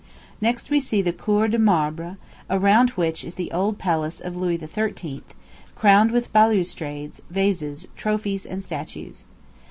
Next we see the Cour de Marbre, around which is the old palace of Louis XIII., crowned with balustrades, vases, trophies, and statues.